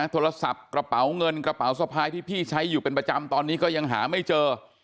โทรศัพท์กระเป๋าเงินกระเป๋าสะพายที่พี่ใช้อยู่เป็นประจำตอนนี้ก็ยังหาไม่เจอ